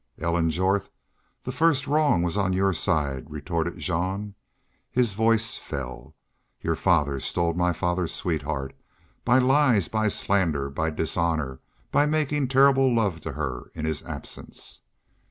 "Ellen Jorth, the first wrong was on your side," retorted Jean, his voice fall. "Your father stole my father's sweetheart by lies, by slander, by dishonor, by makin' terrible love to her in his absence."